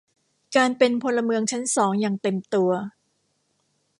การเป็นพลเมืองชั้นสองอย่างเต็มตัว